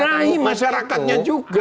benahi masyarakatnya juga